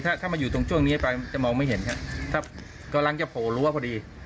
ถ้าถ้ามาอยู่ตรงช่วงนี้ไปจะมองไม่เห็นครับกำลังจะโผล่รั้วพอดี